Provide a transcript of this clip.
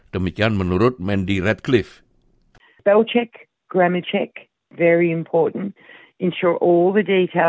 demikian menurut mandy redcliffe